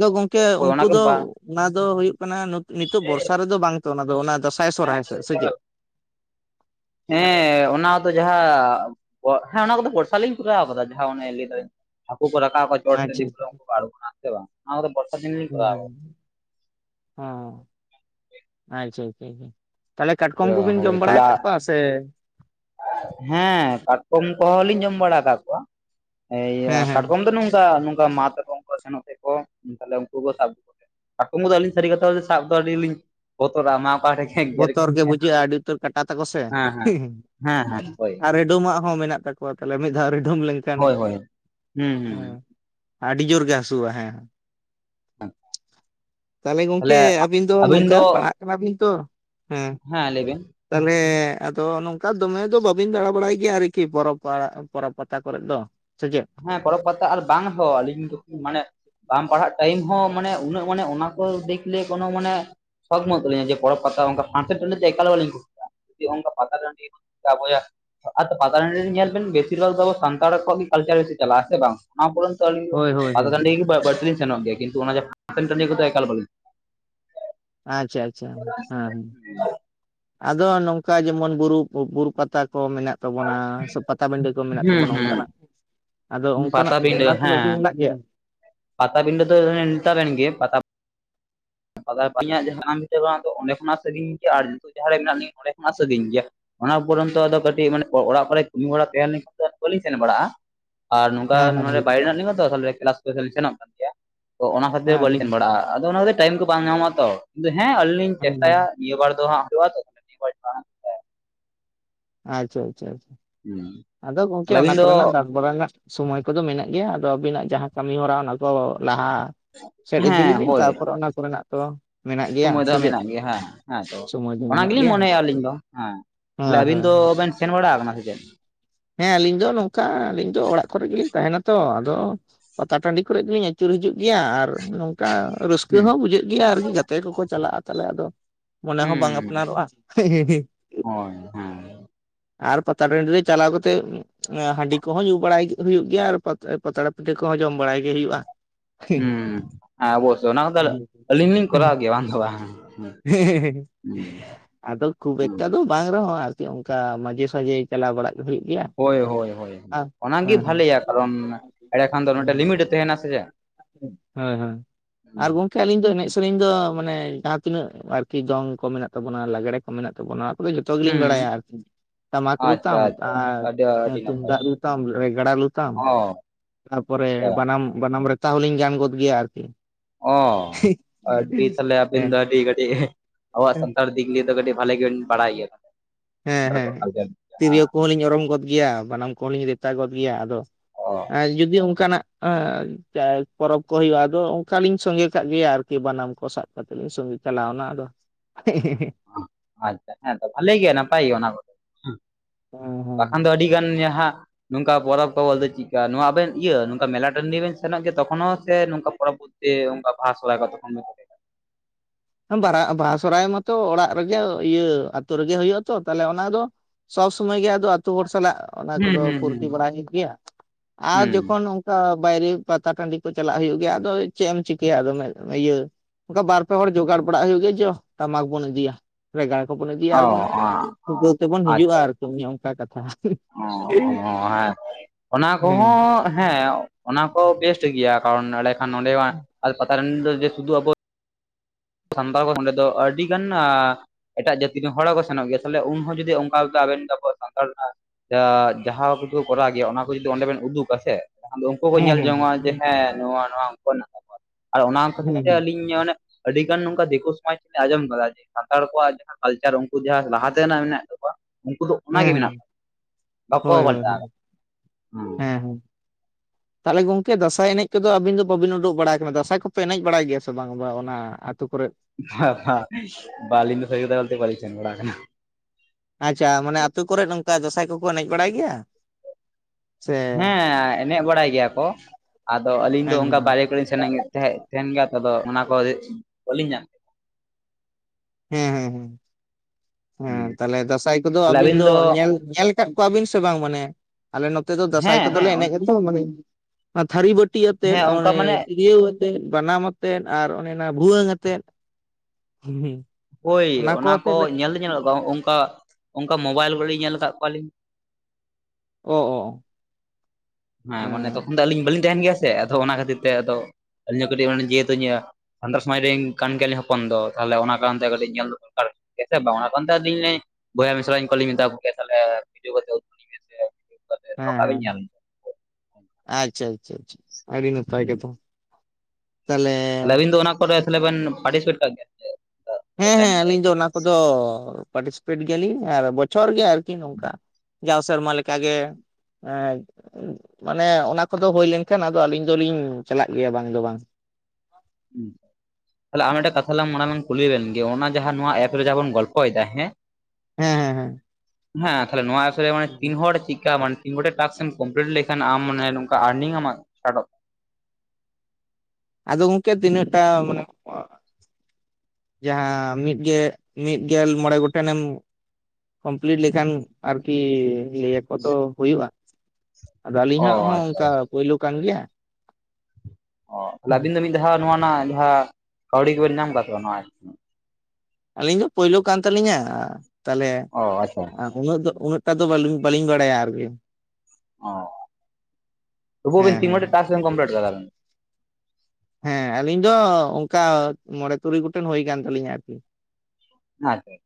ᱟᱫᱚ ᱜᱚᱝᱠᱮ ᱦᱳᱭ ᱩᱱᱠᱩ ᱚᱱᱟᱜᱮ ᱫᱚ, ᱵᱟᱝ ᱚᱱᱟ ᱫᱚ ᱦᱩᱭᱩᱜ ᱠᱟᱱᱟ ᱱᱤᱛᱚᱜ ᱵᱚᱨᱥᱟ ᱨᱮᱫᱚ ᱵᱟᱝᱛᱚ ᱚᱱᱟ ᱫᱚ ᱚᱱᱟ ᱫᱚᱥ ᱦᱮᱸ ᱚᱱᱟ ᱫᱚ ᱡᱟᱦᱟᱸ, ᱦᱮᱸ ᱚᱱᱟ ᱠᱚᱫᱚ ᱵᱚᱨᱥᱟᱟᱞᱤᱧ ᱠᱚᱨᱟᱣ ᱟᱠᱟᱫᱟ ᱡᱟᱦᱟᱸ ᱚᱱᱮ ᱞᱟᱹᱭᱫᱟᱹᱧ ᱦᱟᱹᱠᱩ ᱠᱚ ᱨᱟᱠᱟᱵ ᱪᱚᱴ ᱥᱮ ᱟᱪᱪᱷᱟ ᱫᱤᱯ ᱨᱮ ᱩᱱᱠᱩ ᱠᱚ ᱟᱬᱜᱳᱱᱟᱥᱮ ᱵᱟᱝ ᱚᱱᱟ ᱠᱚᱫᱚ ᱵᱚᱨᱥᱟ ᱫᱤᱱ ᱠᱚᱨᱟᱣᱼᱟ᱾ ᱦᱮᱸ, ᱟᱪᱪᱷᱟ ᱟᱪᱪᱷᱟ ᱟᱪᱷᱟ᱾ ᱛᱟᱦᱚᱞᱮ ᱠᱟᱴᱠᱚᱢ ᱠᱟᱫᱟ ᱠᱚᱵᱤᱱ ᱡᱚᱢ ᱦᱳᱭ ᱵᱟᱲᱟ ᱛᱟᱦᱞᱮ ᱟᱠᱟᱫ ᱠᱚᱣᱟ ᱥᱮ? ᱦᱮᱸ ᱠᱟᱴᱠᱚᱢ ᱠᱚᱦᱚᱸ ᱞᱤᱧ ᱡᱚᱢ ᱵᱟᱲᱟ ᱠᱟᱫ ᱠᱚᱣᱟ᱾ ᱦᱮᱸ, ᱤᱭᱟᱹ ᱠᱟᱴᱠᱚᱢ ᱫᱚ ᱱᱚᱝᱠᱟ ᱱᱚᱝᱠᱟ ᱢᱟᱛ ᱩᱱᱠᱩ ᱠᱚ ᱥᱮᱱᱚᱜ ᱛᱮᱠᱚ ᱩᱱᱠᱩ ᱠᱚ ᱥᱟᱵ ᱠᱟᱴᱠᱚᱢ ᱫᱚ ᱟᱹᱞᱤᱧ ᱥᱟᱹᱨᱤ ᱠᱟᱛᱷᱟ ᱥᱟᱵ ᱫᱚ ᱟᱹᱰᱤ ᱞᱤᱧ ᱵᱚᱛᱚᱨᱟ ᱢᱟ ᱚᱠᱟᱴᱷᱮ ᱜᱮᱨ ᱵᱚᱛᱚᱨ ᱠᱮᱫ ᱜᱮ ᱢᱮᱭᱟ ᱵᱩᱡᱷᱟᱹᱜᱼᱟ ᱟᱹᱰᱤ ᱩᱛᱟᱹᱨ ᱠᱟᱴᱟ ᱛᱟᱠᱚ ᱥᱮ᱾ ᱦᱮᱸ ᱦᱮᱸ ᱦᱩᱸᱦᱩᱸ ᱦᱮᱸ ᱦᱮᱸ ᱦᱳᱭ ᱟᱨ ᱟᱹᱰ ᱨᱮᱰᱳᱢᱟᱜ ᱦᱚᱸ ᱢᱮᱱᱟᱜ ᱛᱟᱠᱚᱣᱟ ᱛᱟᱦᱚᱞᱮ ᱢᱤᱫ ᱫᱷᱟᱣ ᱨᱟᱹᱰᱷᱩᱢ ᱞᱮᱱᱠᱷᱟᱱ᱾ ᱦᱳᱭ ᱦᱳᱭ ᱦᱩᱸ ᱦᱮᱸ, ᱦᱩᱸ ᱟᱰᱤ ᱡᱳᱨ ᱜᱮ ᱦᱟᱹᱥᱩᱣᱟ ᱦᱮᱸ᱾ ᱛᱟᱞᱦᱮ ᱜᱚᱝᱠᱮ ᱛᱟᱦᱞᱮ ᱟᱵᱤᱱ ᱫᱚ ᱱᱚᱝᱠᱟ ᱯᱟᱲᱦᱟᱜ ᱠᱟᱱᱟ ᱵᱤᱱ ᱛᱚ ᱦᱮᱸ, ᱞᱟᱹᱭ ᱵᱤᱱ ᱛᱟᱞᱦᱮ ᱟᱫᱚ ᱱᱚᱝᱠᱟ ᱫᱚᱢᱮ ᱫᱚ ᱵᱟᱹᱵᱤᱱ ᱫᱟᱬᱟ ᱵᱟᱲᱟᱭ ᱜᱮᱭᱟ ᱟᱨᱠᱤ ᱯᱚᱨᱚᱵᱽ ᱠᱚ ᱟᱲᱟᱜ, ᱯᱚᱨᱚᱯ ᱯᱟᱛᱟ ᱠᱚᱨᱮᱜ ᱫᱚ ᱥᱮ ᱪᱮᱫ? ᱦᱮᱸ ᱯᱚᱨᱚᱵᱽ ᱯᱟᱛᱟ ᱟᱨ ᱵᱟᱝᱨᱮᱦᱚ ᱟᱹᱞᱤᱧ ᱢᱟᱱᱮ, ᱵᱟᱝ ᱯᱟᱲᱦᱟᱜ ᱴᱟᱹᱭᱤᱢ ᱦᱚᱸ ᱢᱟᱱᱮ ᱩᱱᱟᱹᱜ ᱢᱟᱱᱮ ᱚᱱᱟ ᱠᱚ ᱫᱤᱠᱞᱮ ᱠᱳᱱᱳ ᱢᱟᱱᱮ, ᱥᱚᱠ ᱢᱚᱜ ᱛᱟᱹᱞᱤᱧᱟ ᱡᱮ ᱯᱚᱨᱚᱯ ᱯᱟᱛᱟ ᱫᱚᱠ ᱵᱟᱹᱱᱩᱜ ᱛᱟᱹᱞᱤᱧᱟ ᱡᱮ ᱚᱝᱠᱟ ᱯᱷᱟᱱᱥᱮᱱ ᱴᱟᱺᱰᱤ ᱫᱚ ᱮᱠᱟᱞ ᱵᱟᱞᱤᱧ ᱠᱩᱥᱤᱭᱟᱜ-ᱟ᱾ ᱡᱮ ᱚᱱᱠᱟ ᱯᱟᱛᱟ ᱴᱟᱺᱰᱤ, *inaudible* ᱟᱨ ᱯᱟᱛᱟ ᱴᱟᱺᱰᱤ ᱨᱮ ᱧᱮᱞ ᱵᱮᱱ ᱵᱮᱥᱤᱨ ᱵᱷᱟᱜᱽ ᱫᱚ ᱟᱵᱚ ᱥᱟᱱᱛᱟᱲ ᱠᱚᱣᱟᱜ ᱜᱮ, ᱠᱟᱞᱪᱟᱨ ᱥᱮ ᱪᱟᱞᱟᱜ-ᱟ ᱥᱮ ᱵᱟᱝ *inaudible* ᱟᱢ ᱯᱩᱨᱟᱹᱣ ᱦᱳᱭ ᱦᱳᱭ *inaudible* ᱯᱟᱛᱟ ᱦᱳᱭ ᱴᱟᱺᱰᱤ, ᱵᱟᱹᱫᱽ ᱫᱚᱞᱤᱱ ᱥᱮᱱᱚᱜ ᱜᱮᱭᱟ ᱠᱤᱱᱛᱩ ᱚᱱᱟ *inaudible* ᱴᱟᱺᱰᱤ ᱠᱚᱫᱚ ᱮᱠᱟᱞ ᱵᱟᱹᱞᱤᱧ, ᱟᱪᱪᱷᱟ ᱟᱪᱪᱷᱟ, ᱦᱮᱸ ᱦᱮᱸ᱾ ᱟᱫᱚ ᱱᱚᱝᱠᱟ ᱡᱮᱢᱚᱱ ᱵᱩᱨᱩᱯ ᱵᱩᱨᱩ ᱯᱟᱛᱟ ᱠᱚ ᱢᱮᱱᱟᱜ, ᱛᱟᱵᱚᱱᱟ, ᱥᱮ ᱯᱟᱛᱟᱵᱤᱱᱰᱟᱹ ᱠᱚ ᱢᱮᱱᱟᱜ ᱛᱟᱵᱚᱱᱟ ᱦᱩᱸ ᱚᱱᱠᱟᱱᱟᱜ᱾ ᱟᱫᱚ ᱦᱩᱸ ᱚᱝᱠᱟᱱᱟᱜ, ᱚᱱᱟ ᱠᱚᱫᱚ ᱟᱹᱵᱤᱱ ᱢᱮᱱᱟᱜ ᱜᱮᱭᱟ᱾ ᱯᱟᱛᱟ ᱵᱤᱸᱰᱟᱹ ᱫᱚ ᱦᱮᱸ ᱪᱟᱨᱮᱱ ᱜᱮ ᱯᱟᱛᱟ *inaudible* ᱤᱧᱟᱜ ᱡᱟᱦᱟᱸ *inaudible* ᱚᱱᱰᱮ ᱠᱷᱚᱱᱟᱜ ᱥᱟᱹᱜᱤᱧ ᱜᱮᱭᱟ ᱟᱨ ᱱᱤᱛᱚᱜ ᱡᱟᱦᱟᱸᱨᱮ ᱢᱮᱱᱟᱜ ᱞᱤᱧ ᱚᱸᱰᱮ ᱠᱷᱚᱱᱟᱜ ᱥᱟᱺᱜᱤᱧ ᱜᱮᱭᱟ᱾ ᱚᱱᱟ ᱯᱚᱨᱚᱱᱛᱚ ᱟᱫᱚ ᱠᱟᱹᱴᱤᱡ ᱢᱟᱱᱮ ᱚ ᱚᱲᱟᱜ ᱠᱚᱨᱮ ᱠᱟᱹᱢᱤᱦᱚᱨᱟ ᱛᱟᱦᱮᱸ ᱞᱮᱱᱠᱷᱟᱡ ᱫᱚ ᱵᱟᱹᱞᱤᱧ ᱥᱮᱱ ᱵᱟᱲᱟᱜᱼᱟ᱾ ᱟᱨ ᱱᱚᱝᱠᱟ ᱦᱮᱸ ᱱᱚᱰᱮ ᱵᱟᱭᱨᱮ ᱦᱮᱱᱟᱜ ᱞᱤᱧᱟ ᱛᱚ ᱠᱮᱞᱟᱥ *inaudible* ᱥᱮᱱᱚᱜ ᱜᱮᱭᱟ᱾ ᱛᱚ ᱚᱱᱟ ᱠᱷᱟᱹᱛᱤᱨ ᱵᱟᱹᱞᱤᱧ ᱥᱮᱱ ᱦᱮᱸ ᱵᱟᱲᱟᱜᱼᱟ ᱟᱫᱚ ᱚᱱᱟ ᱠᱷᱟᱹᱛᱤᱨ ᱴᱟᱭᱤᱢ ᱠᱚ ᱵᱟᱝ ᱧᱟᱢᱚᱜᱼᱟ ᱛᱚ, ᱦᱮᱸ ᱟᱹᱞᱤᱧ ᱞᱤᱧ ᱦᱮᱸ ᱦᱮᱸ ᱪᱮᱥᱴᱟᱭᱟ? ᱱᱤᱭᱟᱹ ᱵᱟᱨ ᱫᱚ ᱦᱟᱸᱜ *inaudible* ᱱᱤᱭᱟᱹ ᱵᱟᱨ ᱫᱚ ᱦᱟᱸᱜ᱾ ᱟᱪᱷᱟ ᱟᱪᱟ ᱟᱪᱟ᱾ ᱦᱩᱸ᱾ ᱟᱫᱚ ᱜᱚᱝᱠᱮ ᱛᱟᱦᱞᱮ ᱚᱱᱟ ᱟᱹᱵᱤᱱ ᱫᱚ ᱠᱚᱨᱮᱱᱟᱜ ᱰᱟᱥ ᱵᱟᱨᱟ ᱨᱮᱱᱟᱜ᱾ ᱥᱚᱢᱚᱭ ᱠᱚᱫᱚ ᱢᱮᱱᱟᱜ ᱜᱮᱭᱟ ᱟᱫᱚ ᱟᱹᱵᱤᱱᱟᱜ ᱡᱟᱦᱟᱸ ᱠᱟᱹᱢᱤ ᱦᱚᱨᱟ ᱚᱱᱟ ᱠᱚ ᱞᱟᱦᱟ᱾ ᱥᱮᱫ ᱤᱫᱤ ᱦᱮᱸ ᱞᱮᱵᱤᱱ ᱦᱳᱭ ᱛᱟᱨᱯᱚᱨᱮ ᱚᱱᱟ ᱠᱚᱨᱮᱱᱟᱜ ᱛᱚ ᱢᱮᱱᱟᱜ ᱜᱮᱭᱟ ᱥᱚᱢᱚᱭ ᱫᱚ ᱥᱮ ᱦᱟᱸᱜ ᱪᱮᱫ? ᱢᱮᱱᱟᱜ ᱜᱮᱭᱟ ᱦᱮᱸ ᱦᱮᱸ ᱛᱚ᱾ ᱥᱚᱢᱚᱭ ᱚᱱᱟ ᱜᱮᱞᱤᱧ ᱢᱚᱱᱮᱭᱟ ᱟᱹᱞᱤᱧ ᱫᱚ᱾ ᱦᱮᱸ, ᱦᱮᱸ ᱦᱮᱸ᱾ ᱛᱚ ᱵᱮᱱ ᱥᱮᱱ ᱵᱟᱲᱟ ᱠᱟᱱᱟ ᱥᱮ ᱪᱮᱫ? ᱦᱮᱸ ᱟᱹᱞᱤᱧ ᱫᱚ ᱱᱚᱝᱠᱟ ᱟᱹᱞᱤᱧ ᱫᱚ ᱚᱲᱟᱜ ᱠᱚᱨᱮ ᱜᱮᱞᱤᱧ ᱛᱟᱦᱮᱱᱟ᱾ ᱛᱚ ᱟᱫᱚ ᱯᱟᱛᱟ ᱴᱟᱺᱰᱤ ᱠᱚᱨᱮ ᱜᱮᱞᱤᱧ ᱟᱹᱪᱩᱨ ᱦᱤᱡᱩᱜ ᱜᱮᱭᱟ ᱟᱨ ᱱᱚᱝᱼᱼ ᱚᱱᱠᱟ ᱨᱟᱹᱥᱠᱟᱹ ᱦᱩᱸ ᱦᱚᱸ ᱵᱩᱡᱷᱟᱹᱜ ᱜᱮᱭᱟ ᱟᱨᱠᱤ ᱜᱟᱛᱮ ᱠᱚᱠᱚ ᱪᱟᱞᱟᱜᱼᱟ ᱛᱟᱞᱦᱮ ᱟᱫᱚ ᱚᱱᱟ ᱦᱚᱸ ᱵᱟᱝ ᱦᱩᱸ ᱟᱯᱱᱟᱨᱚᱜᱼᱟ᱾ ᱦᱮ ᱦᱮ ᱦᱮ᱾ ᱦᱳᱭ ᱦᱮᱸ, ᱟᱨ ᱯᱟᱛᱟ ᱴᱟᱺᱰᱤ ᱨᱮ ᱪᱟᱞᱟᱣ ᱠᱟᱛᱮᱜ ᱦᱟᱺᱰᱤ ᱠᱚᱦᱚᱸ ᱧᱩ ᱵᱟᱲᱟᱭ ᱦᱩᱭᱩᱜ ᱜᱮᱭᱟ ᱟᱨ ᱯᱟᱛ ᱯᱟᱛᱲᱟ ᱯᱤᱴᱷᱟᱹ ᱠᱚᱦᱚᱸ ᱡᱚᱢ ᱵᱟᱲᱟᱭ ᱜᱮ ᱦᱩᱭᱩᱜᱼᱟ᱾ ᱦᱩᱸᱦᱩᱸ ᱟᱵᱚᱥ ᱚᱱᱟ ᱠᱚᱫᱚ ᱟᱹᱞᱤᱧ ᱞᱤᱧ ᱠᱚᱨᱟᱣ ᱜᱮᱭᱟ ᱵᱟᱝ ᱫᱚ ᱵᱟᱝ ᱦᱩᱹ᱾ ᱮᱦᱮ ᱦᱮᱦᱮ ᱟᱫᱚ ᱠᱷᱩᱵ ᱮᱠᱴᱟ ᱫᱼᱼ ᱫᱚ ᱵᱟᱝ ᱨᱮᱦᱚᱸ ᱟᱨᱠᱤ ᱚᱝᱠᱟ ᱢᱟᱡᱷᱮ ᱥᱟᱡᱷᱮ ᱪᱟᱞᱟᱣ ᱵᱟᱲᱟᱜ ᱦᱩᱭ ᱫᱚ ᱦᱳᱭ ᱦᱳᱭ ᱦᱳᱭ, ᱚᱱᱟᱜᱮ ᱦᱮᱸ ᱵᱷᱟᱞᱮᱭᱟ ᱠᱟᱨᱚᱱ ᱮᱲᱮ ᱠᱷᱟᱱ ᱫᱚ ᱱᱚᱰᱮ ᱞᱤᱢᱤᱴ ᱮ ᱛᱟᱦᱮᱱᱟ ᱥᱮ ᱪᱮᱫ? ᱦᱮᱸ ᱦᱮᱸ, ᱟᱨ ᱜᱚᱝᱼᱼ ᱠᱮ ᱟᱹᱞᱤᱧ ᱫᱚ ᱮᱱᱮᱡ ᱥᱮᱨᱮᱧ ᱫᱚ ᱢᱟᱱᱮ ᱡᱟᱦᱟᱸ ᱛᱤᱱᱟᱹᱜ ᱟᱨᱠᱤ ᱫᱚᱝ ᱠᱚ ᱢᱮᱱᱟᱜ ᱛᱟᱵᱚᱱᱟ ᱞᱟᱜᱽᱲᱮᱸ ᱠᱚ ᱢᱮᱱᱟᱜ ᱛᱟᱵᱚᱱᱟ ᱡᱚᱛᱚ ᱜᱮᱞᱤᱧ ᱦᱩᱸ ᱵᱟᱲᱟᱭᱟ ᱟᱨᱠᱤ᱾ ᱴᱟᱢᱟᱠ ᱟᱪᱪᱷᱟ ᱨᱩᱛᱟᱢ ᱟᱪᱪᱷᱟ ᱟᱹᱰᱤ ᱟᱹᱰᱤ ᱟᱨ ᱱᱟᱯᱟᱭ ᱛᱩᱢᱫᱟᱜ ᱨᱩᱛᱟᱢ ᱨᱮᱜᱽᱲᱟ ᱨᱩᱛᱟᱢ᱾ ᱚ ᱛᱟᱨᱯᱚᱨᱮ ᱟᱪᱪᱷᱟ ᱵᱟᱱᱟᱢ ᱵᱟᱱᱟᱢ ᱨᱮᱛᱟ ᱦᱚᱞᱤᱧ ᱜᱟᱱ ᱜᱚᱫ ᱜᱮᱭᱟ ᱟᱨᱠᱤ᱾ ᱚ ᱟᱹᱰᱤ ᱛᱟᱦᱚᱞᱮ ᱟᱵᱤᱱ ᱦᱮᱸ ᱫᱚ ᱟᱹᱰᱤ ᱠᱟᱹᱴᱤᱡ ᱟᱵᱚᱣᱟᱜ ᱥᱟᱱᱛᱟᱲ ᱫᱤᱠ ᱞᱤᱭᱟᱹ ᱫᱚ ᱠᱟᱹᱴᱤᱡ ᱵᱷᱟᱞᱮ ᱜᱮᱵᱤᱱ ᱵᱟᱲᱟᱭ ᱜᱮᱭᱟ ᱛᱟᱦᱚᱞᱮ ᱾ ᱦᱮᱸ ᱦᱮᱸ ᱦᱮᱸ, ᱛᱤᱨᱭᱳ ᱠᱚᱦᱚᱸ ᱞᱤᱧ ᱚᱨᱚᱝ ᱜᱚᱫ ᱜᱮᱭᱟ, ᱵᱟᱱᱟᱢ ᱠᱚᱦᱚᱸ ᱞᱤᱧ ᱨᱮᱛᱟ ᱜᱚᱫ ᱜᱮᱭᱟ ᱟᱫᱚᱼ- ᱚᱻ ᱟᱨ ᱡᱩᱫᱤ ᱚᱱᱠᱟᱱᱟᱜ ᱯᱚᱨᱚᱵᱽ ᱠᱚ ᱦᱩᱭᱩᱜᱼᱟ ᱟᱫᱚ ᱚᱱᱠᱟᱞᱤᱧ ᱥᱚᱸᱜᱮ ᱠᱟᱜ ᱜᱮᱭᱟ ᱟᱨᱠᱤ ᱵᱟᱱᱟᱢ ᱠᱚ ᱥᱟᱵ ᱠᱟᱛᱮ ᱞᱤᱧ ᱥᱚᱸᱜᱮ ᱪᱟᱞᱟᱣ ᱦᱩᱭ ᱱᱟ ᱟᱫᱚ ᱦᱮ ᱦᱮ ᱾ ᱟᱪᱪᱷᱟ, ᱦᱮᱸᱛᱚ ᱵᱷᱟᱞᱮ ᱜᱮᱭᱟ ᱱᱟᱯᱟᱭ ᱜᱮ ᱚᱱᱟ ᱠᱚᱫᱚ᱾ ᱦᱮᱸ ᱵᱟᱠᱷᱟᱱ ᱫᱚ ᱟᱹᱰᱤᱜᱟᱱ ᱡᱟᱦᱟᱸ ᱱᱚᱝᱠᱟ ᱯᱚᱨᱚᱵᱽ ᱠᱚ ᱵᱚᱞᱛᱮ ᱪᱮᱫᱼᱠᱟ ᱱᱚᱣᱟ ᱟᱵᱮᱱ ᱤᱭᱟᱹ ᱱᱚᱝᱠᱟ ᱢᱮᱞᱟ ᱴᱟᱺᱰᱤ ᱵᱮᱱ ᱥᱮᱱᱚᱜ ᱜᱮᱭᱟ ᱛᱚᱠᱷᱚᱱ ᱦᱚᱸ ᱥᱮ ᱱᱚᱝᱠᱟ ᱯᱚᱨᱚᱵᱽ ᱥᱮ ᱚᱱᱠᱟ ᱵᱟᱦᱟ ᱥᱚᱦᱨᱟᱭ ᱠᱚ ᱛᱚᱠᱷᱚᱱ ᱫᱚ ᱚᱸᱰᱮ ᱵᱟᱨᱟ ᱵᱟᱦᱟ ᱥᱚᱦᱨᱟᱭ ᱢᱟᱛᱚ ᱚᱲᱟᱜ ᱨᱮᱜᱮ ᱤᱭᱟᱹ ᱟᱛᱳ ᱨᱮᱜᱮ ᱦᱩᱭᱩᱜ ᱟᱛᱚ ᱛᱟᱦᱚᱞᱮ ᱚᱱᱟ ᱫᱚ ᱥᱚᱵ ᱥᱚᱢᱚᱭ ᱜᱮ ᱟᱫᱚ ᱟᱹᱛᱩ ᱦᱚᱲ ᱥᱟᱞᱟᱜ ᱚᱱᱟ ᱦᱩᱸ ᱠᱚᱫᱚ ᱦᱩᱸ ᱦᱩᱸ ᱯᱷᱩᱨᱛᱤ ᱵᱟᱲᱟᱭ ᱦᱩᱭᱩᱜ ᱜᱮᱭᱟ ᱟᱨ ᱦᱩᱸ ᱡᱚᱠᱷᱚᱱ ᱵᱟᱭᱨᱮ ᱯᱟᱛᱟ ᱴᱟᱺᱰᱤ ᱠᱚ ᱪᱟᱞᱟᱜ ᱦᱩᱭᱩᱜ ᱜᱮᱭᱟ ᱟᱫᱚ ᱪᱮᱫ ᱮᱢ ᱪᱤᱠᱟᱹᱭᱟ ᱟᱫᱚ ᱚᱱᱮ ᱤᱭᱟᱹ ᱚᱱᱠᱟ ᱵᱟᱨ ᱯᱮ ᱦᱚᱲ ᱡᱚᱜᱟᱲ ᱵᱟᱲᱟᱜ ᱦᱩᱭᱩᱜ ᱜᱮᱭᱟ ᱡᱚ ᱴᱟᱢᱟᱠ ᱵᱚᱱ ᱤᱫᱤᱭᱟ᱾ ᱨᱮᱜᱟᱲᱟ ᱠᱚᱵᱚᱱ ᱤᱫᱤᱭᱟ ᱚ ᱟᱨᱵᱚᱱ ᱚ ᱚ ᱴᱷᱩᱠᱟᱹᱣ ᱛᱮᱵᱚᱱ ᱦᱤᱡᱩᱜᱼᱟ ᱟᱪᱪᱷᱟ ᱟᱨᱠᱤ ᱩᱱᱤ ᱚᱱᱠᱟ ᱠᱟᱛᱷᱟ᱾ ᱚ ᱚ ᱦᱮᱸ, ᱚᱱᱟ ᱦᱮᱸ ᱠᱚᱦᱚᱸ ᱦᱮᱸ ᱚᱱᱟ ᱠᱚ ᱵᱮᱥᱴ ᱜᱮᱭᱟ ᱠᱟᱨᱚᱱ ᱱᱚᱸᱰᱮ ᱠᱷᱟᱱ ᱱᱚᱸᱰᱮ ᱢᱟ ᱦᱮᱸ ᱟᱫᱚ ᱯᱟᱛᱟ ᱴᱟᱸᱰᱤ ᱨᱮᱫᱚ ᱡᱮ ᱥᱩᱫᱷᱩ ᱟᱵᱚ ᱥᱟᱱᱛᱟᱲ ᱠᱚ ᱚᱸᱰᱮ ᱫᱚ ᱟᱹᱰᱤ ᱜᱟᱱ ᱮ ᱮᱴᱟᱜ ᱡᱟᱹᱛᱤ ᱨᱮᱱ ᱦᱚᱲ ᱦᱚᱸᱠᱚ ᱥᱮᱱᱚᱜ ᱜᱮᱭᱟ ᱛᱟᱦᱚᱞᱮ ᱩᱱᱦᱚᱸ ᱡᱩᱫᱤ ᱚᱱᱠᱟ ᱜᱮ ᱟᱵᱮᱱ ᱫᱚ *unintelligible* ᱥᱟᱱᱛᱟᱲ ᱨᱮᱱᱟᱜ ᱡᱟ ᱡᱟᱦᱟᱸ ᱠᱚ ᱠᱤᱪᱷᱩ ᱠᱚᱨᱟᱣ ᱜᱮᱭᱟ ᱚᱱᱟ ᱠᱚ ᱡᱩᱫᱤ ᱚᱸᱰᱮ ᱵᱮᱱ ᱩᱫᱩᱜᱟ ᱥᱮ ᱟᱫᱚ ᱩᱱᱠᱩ ᱠᱚ ᱦᱮᱸ ᱧᱮᱞ ᱦᱮᱸ ᱡᱚᱝᱚᱜᱼᱟ ᱡᱮ ᱦᱮᱸ ᱱᱚᱣᱟ ᱱᱚᱣᱟ ᱩᱱᱡᱩᱣᱟᱜ ᱦᱮᱱᱟᱜ ᱛᱟᱠᱚᱣᱟ ᱟᱨ ᱚᱱᱟ ᱦᱮᱸ ᱠᱷᱟᱹᱛᱤᱨ ᱛᱮ ᱟᱹᱞᱤᱧ ᱚᱱᱮ ᱟᱹᱰᱤ ᱜᱟᱱ ᱱᱚᱝᱠᱟ ᱫᱤᱠᱩ ᱥᱚᱢᱟᱡ ᱨᱮᱞᱤᱧ ᱟᱸᱡᱚᱢ ᱠᱟᱫᱟ ᱡᱮ ᱥᱟᱱᱛᱟᱲ ᱠᱚᱣᱟᱜ ᱠᱟᱞᱪᱟᱨ ᱩᱱᱠᱩ ᱡᱟᱦᱟᱸ ᱞᱟᱦᱟ ᱛᱮᱱᱟᱜ ᱢᱮᱱᱟᱜ ᱛᱟᱠᱚᱣᱟ᱾ ᱩᱱᱠᱩ ᱫᱚ ᱚᱱᱟᱜᱮ ᱦᱮᱸ ᱢᱮᱱᱟᱜ ᱦᱮᱸ ᱛᱟᱠᱚᱣᱟ ᱦᱳᱭ ᱵᱟᱠᱚ ᱦᱳᱭ ᱯᱟᱞᱴᱟᱣᱫᱟ᱾ ᱦᱳᱭ ᱦᱮᱸ, ᱦᱮᱸ ᱦᱮᱸ *inaudible* ᱛᱟᱦᱚᱞᱮ ᱜᱚᱝᱠᱮ ᱫᱟᱸᱥᱟᱭ ᱮᱱᱮᱡ ᱠᱚᱫᱚ ᱟᱹᱵᱤᱱ ᱫᱚ ᱵᱟᱹᱵᱤᱱ ᱩᱰᱩᱠ ᱵᱟᱲᱟ ᱠᱟᱱᱟ ᱫᱟᱸᱥᱟᱭ ᱠᱚᱯᱮ ᱮᱱᱮᱡ ᱵᱟᱲᱟᱭ ᱜᱮᱭᱟ ᱥᱮ ᱵᱟᱝ ᱵᱟᱝ ᱚᱱᱟ ᱟᱹᱛᱩ ᱠᱚᱨᱮᱫ? ᱵᱷᱟ ᱵᱷᱟ ᱵᱟ ᱟᱞᱤᱱ ᱫᱚ ᱥᱟᱨᱤ ᱠᱟᱛᱷᱟ ᱵᱳᱞᱛᱮ ᱵᱟᱞᱤᱧ ᱥᱮᱱ ᱵᱟᱲᱟ ᱠᱟᱱᱟ᱾ ᱟᱪᱪᱷᱟ, ᱢᱟᱱᱮ ᱟᱹᱛᱩ ᱠᱚᱨᱮᱫ ᱱᱚᱝᱠᱟ ᱫᱟᱸᱥᱟᱭ ᱠᱚᱠᱚ ᱮᱱᱮᱡ ᱵᱟᱲᱟᱭ ᱜᱮᱭᱟ? ᱥᱮ ᱦᱮᱸ, ᱮᱱᱮᱡ ᱵᱟᱲᱟᱭ ᱜᱮᱭᱟ ᱠᱚ ᱟᱫᱚ ᱟᱹᱞᱤᱧ ᱫᱚ ᱦᱮᱸ ᱚᱱᱠᱟ ᱦᱮᱸ ᱵᱟᱨᱦᱮ ᱠᱚᱨᱮᱧ ᱥᱮᱱᱮᱱ ᱜᱮ᱾ ᱛᱟᱸᱦᱮ ᱛᱟᱦᱮᱱ ᱜᱮᱭᱟ ᱛᱚ ᱟᱫᱚ ᱚᱱᱟ ᱠᱚ ᱵᱟᱞᱤᱧ ᱧᱟ ᱦᱮᱸ ᱦᱮᱸ ᱦᱮᱸ ᱦᱮᱸ ᱛᱟᱦᱞᱮ ᱫᱟᱸᱥᱟᱭ ᱠᱚᱫᱚ ᱛᱟᱦᱞᱮ ᱟᱵᱤᱱ ᱟᱹᱵᱤᱱ ᱫᱚ ᱧᱮᱞ᱾ ᱧᱮᱞ ᱠᱟᱜ ᱠᱚᱣᱟ ᱵᱤᱱ ᱥᱮ ᱵᱟᱝ ᱢᱟᱱᱮ ᱟᱞᱮ ᱱᱚᱛᱮ ᱫᱚ ᱫᱟᱸᱥᱟᱭ ᱦᱮᱸ ᱦᱮᱸ ᱠᱚᱫᱚᱞᱮ ᱮᱱᱮᱡ ᱟᱛᱚ ᱢᱟᱱᱮ᱾ ᱛᱷᱟᱨᱤ ᱵᱟᱹᱴᱤᱭᱟᱛᱮᱫ ᱦᱮᱸ ᱟ ᱚᱱᱠᱟ ᱚᱱᱮ ᱢᱟᱱᱮ ᱛᱤᱨᱤᱭᱳ᱾ ᱛᱮᱫ ᱵᱟᱱᱟᱢ ᱟᱛᱮᱫ ᱟᱨ ᱚᱱᱮ ᱚᱱᱟ ᱵᱷᱩᱣᱟᱹᱝ ᱟᱛᱮᱫ᱾ ᱦᱳᱭ ᱚᱱᱟ ᱠᱚ ᱧᱮᱞ ᱫᱩᱧ ᱧᱮᱞ ᱠᱟᱜ ᱠᱚᱣᱟ ᱚᱱᱠᱟ ᱚᱱᱠᱟ ᱢᱳᱵᱟᱭᱤᱞ ᱠᱚᱨᱮᱞᱤᱧ ᱧᱮᱞ ᱠᱟᱜ ᱠᱚᱣᱟᱞᱤᱧ᱾ ᱚ ᱚ ᱚ᱾ ᱦᱮᱸ ᱢᱟᱱᱮ ᱛᱚᱠᱷᱚᱱ ᱫᱚ ᱟᱹᱞᱤᱧ ᱵᱟᱹᱞᱤᱧ ᱛᱟᱦᱮᱱ ᱜᱮᱭᱟ ᱥᱮ ᱟᱫᱚ ᱚᱱᱟ ᱠᱷᱟᱛᱤᱨ ᱛᱮ ᱟᱫᱚ ᱟᱹᱞᱤᱧ ᱦᱚᱸ ᱠᱟᱹᱴᱤᱡ ᱡᱮᱦᱮᱛᱩ᱾ ᱥᱟᱱᱛᱟᱲ ᱥᱚᱢᱟᱡᱽ ᱨᱤᱱ ᱠᱟᱱ ᱜᱮᱭᱟᱞᱤᱧ ᱦᱚᱯᱚᱱ ᱫᱚ ᱛᱟᱦᱞᱮ ᱚᱱᱟ ᱠᱟᱨᱚᱱ ᱛᱮ ᱠᱟᱴᱤᱡ ᱧᱮᱞ ᱫᱚ ᱫᱚᱨᱠᱟᱨ᱾ ᱥᱮ ᱵᱟᱝ ᱚᱱᱟ ᱠᱟᱨᱚᱱ ᱛᱮ ᱟᱫᱚᱧ ᱞᱟᱹᱭᱟᱹᱧ ᱵᱚᱭᱦᱟ ᱢᱤᱥᱨᱟᱧ ᱠᱚᱞᱤᱧ ᱢᱮᱛᱟ ᱠᱚ ᱜᱮᱭᱟ ᱛᱟᱦᱞᱮ ᱵᱷᱤᱰᱤᱭᱳ ᱠᱟᱛᱮ ᱩᱫᱩᱜ *unintelligible* ᱠᱟᱛᱮ ᱫᱚ ᱦᱮᱸ ᱦᱮᱸ ᱚᱠᱟᱨᱮᱤᱧ ᱧᱟ ᱟᱪᱪᱷᱟ ᱟᱪᱪᱷᱟ ᱟᱪᱷᱟ ᱟᱰᱤ ᱱᱟᱯᱟᱭ ᱠᱟᱛᱷᱟ᱾ ᱛᱟᱞᱦᱮ ᱛᱟᱞᱦᱮ ᱟᱵᱤᱱ ᱫᱚ ᱚᱱᱟ ᱠᱚᱨᱮ ᱛᱟᱦᱞᱮ ᱵᱮᱱ ᱯᱟᱴᱤᱥᱤᱯᱮᱴ ᱠᱟᱜ ᱜᱮᱭᱟ ᱥᱮᱪᱮᱫ? ᱦᱮᱸ ᱦᱮᱸ ᱟᱹᱞᱤᱧ ᱫᱚ ᱚᱱᱟ ᱠᱚᱫᱚ ᱯᱟᱴᱤᱥᱤᱯᱮᱴ ᱜᱮᱭᱟᱞᱤᱧ ᱟᱨ ᱵᱚᱪᱷᱚᱨ ᱜᱮ ᱟᱨᱠᱤ ᱱᱚᱝᱠᱟ ᱡᱟᱣ ᱥᱮᱨᱢᱟ ᱞᱮᱠᱟ ᱜᱮ᱾ ᱮᱸ ᱢᱟᱱᱮ ᱚᱱᱟ ᱠᱚᱫᱚ ᱦᱳᱭ ᱞᱮᱱᱠᱷᱟᱱ ᱟᱫᱚ ᱟᱞᱤᱧ ᱫᱚᱞᱤᱧ ᱪᱟᱞᱟᱜ ᱜᱮᱭᱟ ᱵᱟᱝ ᱫᱚ ᱵᱟᱝ᱾ ᱦᱩᱸ᱾ ᱛᱟᱦᱞᱮ ᱟᱨ ᱢᱮᱴᱮᱜ ᱠᱟᱛᱷᱟ ᱞᱟᱝ ᱚᱱᱟ ᱞᱟᱝ ᱠᱩᱞᱤ ᱞᱮᱢ ᱜᱮ ᱚᱱᱟ ᱡᱟᱸᱦᱟ ᱱᱚᱣᱟ ᱮᱯ ᱨᱮ ᱡᱟᱸᱦᱟ ᱵᱚᱱ ᱜᱚᱞᱯᱷᱚᱭᱫᱟ ᱦᱮᱸ᱾ ᱦᱮᱸ ᱦᱮᱸ ᱦᱮᱸ᱾ ᱦᱮᱸ ᱛᱟᱦᱞᱮ ᱱᱚᱣᱟ ᱮᱯᱥ ᱨᱮ ᱢᱟᱱᱮ ᱛᱤᱱ ᱦᱚᱲ ᱪᱤᱠᱟ ᱢᱟ ᱛᱤᱱ ᱜᱚᱴᱮᱡ ᱴᱟᱠᱥ ᱮᱢ ᱠᱚᱢᱯᱞᱤᱴ ᱞᱮᱠᱷᱟᱱ ᱟᱢ ᱢᱚᱱᱮ ᱱᱚᱝᱠᱟ ᱟᱨᱱᱤᱝ ᱟᱢᱟᱜ ᱮᱥᱴᱟᱴᱚᱜ ᱛᱟᱢᱟ ᱟᱫᱚ ᱜᱚᱝᱠᱮ ᱛᱤᱱᱟᱹᱜ ᱴᱟ ᱢᱚᱱᱮ ᱡᱟᱸᱦᱟ ᱢᱤᱫ ᱜᱮ ᱢᱤᱫ ᱜᱮᱞ ᱢᱚᱬᱮ ᱜᱚᱴᱮ ᱱᱮᱢ ᱠᱚᱢᱯᱞᱤᱴ ᱞᱮᱠᱷᱟᱱ ᱟᱨᱠᱤ ᱞᱟᱹᱭ ᱟᱠᱚ ᱛᱚ ᱦᱳᱭᱳᱜ-ᱟ᱾ ᱟᱫᱚ ᱟᱞᱤᱧ ᱚ ᱦᱟᱸᱜ ᱦᱚᱸ ᱟᱪᱪᱷᱟ ᱚᱝᱠᱟ ᱯᱳᱭᱞᱳ ᱠᱟᱱ ᱜᱮᱭᱟ᱾ ᱚ ᱛᱟᱦᱞᱮ ᱟᱵᱤᱱ ᱫᱚ ᱢᱤᱫ ᱫᱷᱟᱣ ᱱᱚᱣᱟ ᱨᱮᱱᱟᱜ ᱡᱟᱸᱦᱟ ᱠᱟᱣᱰᱤ ᱠᱚᱵᱮᱱ ᱧᱟᱢ ᱠᱟᱜ-ᱟ ᱥᱮ ᱵᱟᱝ ᱱᱚᱣᱟ ᱮᱯᱥ ᱟᱞᱤᱧ ᱫᱚ ᱯᱳᱭᱞᱳ ᱠᱟᱱ ᱛᱟᱞᱤᱧᱟ ᱛᱟᱞᱦᱮ ᱚ ᱟᱪᱪᱷᱟ ᱩᱱᱟᱹᱜ ᱫᱚ ᱩᱱᱟᱹᱜ ᱴᱟ ᱫᱚ ᱵᱟᱞᱤᱧ ᱵᱟᱞᱤᱧ ᱵᱟᱲᱟᱭᱟ ᱟᱨ ᱠᱤ ᱚ ᱛᱩᱵᱩ ᱦᱮᱸ ᱟᱹᱵᱤᱱ ᱛᱤᱱ ᱦᱮᱸ ᱜᱚᱴᱮᱡ ᱴᱟᱠᱥ ᱵᱮᱱ ᱠᱚᱢᱯᱞᱤᱴ ᱠᱟᱫᱟ ᱵᱤᱱ? ᱦᱮᱸ ᱟᱞᱤᱧ ᱫᱚ ᱚᱝᱠᱟ ᱢᱚᱬᱮ ᱛᱩᱨᱩᱭ ᱜᱚᱴᱮᱱ ᱦᱳᱭ ᱠᱟᱱ ᱛᱟᱞᱤᱧᱟ ᱟᱨᱠᱤ᱾ *unintelligible*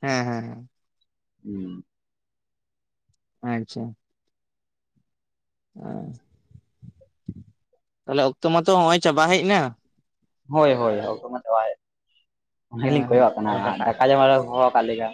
ᱦᱮᱸ ᱦᱮᱸ ᱦᱮᱸ᱾ ᱦᱩᱸ᱾ ᱟᱪᱪᱷᱟ᱾ ᱟᱸ ᱛᱟᱞᱦᱮ ᱚᱠᱛᱚ ᱢᱟᱛᱚ ᱦᱚᱸᱜ-ᱚᱭ ᱪᱟᱵᱟ ᱦᱮᱡ ᱱᱟ᱾ ᱦᱳᱭ ᱦᱳᱭ ᱚᱠᱛᱚ ᱢᱟ ᱪᱟᱵᱟ ᱦᱮᱡ ᱱᱟ ᱚᱱᱟ ᱦᱮᱸ ᱜᱮᱞᱤᱧ ᱦᱮᱸ ᱠᱚᱭᱚᱜ ᱟᱜ ᱠᱟᱱᱟ ᱟᱫᱚ ᱦᱟᱸᱜ ᱠᱟᱴᱟᱜᱼᱟ ᱫᱟᱠᱟ ᱡᱚᱢ ᱟᱨᱚ ᱠᱚ ᱦᱚᱦᱚ ᱠᱟᱜ ᱞᱤᱧᱟ᱾